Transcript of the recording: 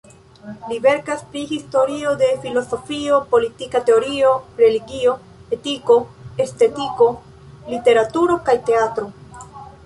Li verkas pri historio de filozofio, politika teorio, religio, etiko, estetiko, literaturo kaj teatro.